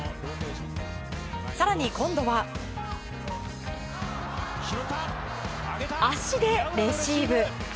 更に今度は、足でレシーブ。